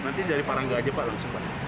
nanti dari parangga aja pak langsung pak